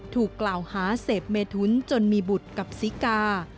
ถูกกล่าวหาเสพเมทุนจนมีบุตรกับศรีกา